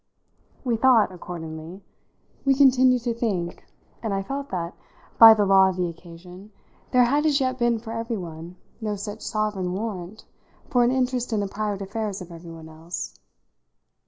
We thought, accordingly we continued to think, and I felt that, by the law of the occasion, there had as yet been for everyone no such sovereign warrant for an interest in the private affairs of everyone else.